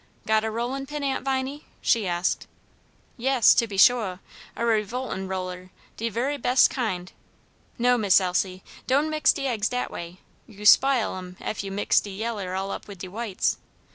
"Got a rollin' pin, Aunt Viney?" she asked. "Yes, to be shuah, a revoltin' roller, de very bes' kind. No, Miss Elsie, don' mix de eggs dat way, you spile 'em ef you mix de yaller all up wid de whites.